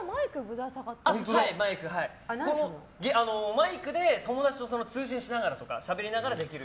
マイクで友達と通信しながらしゃべりながらできる。